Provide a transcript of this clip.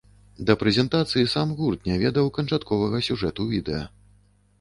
Да прэзентацыі сам гурт не ведаў канчатковага сюжэту відэа.